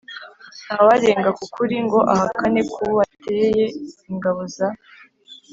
ntawarenga ku kuri ngo ahakane ko bateye ingabo za